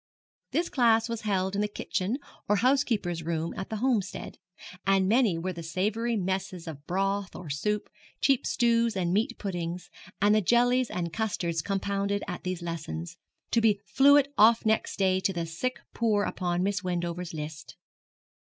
This class was held in the kitchen or housekeeper's room at the Homestead; and many were the savoury messes of broth or soup, cheap stews and meat puddings, and the jellies and custards compounded at these lessons, to be sent off next day to the sick poor upon Miss Wendover's list.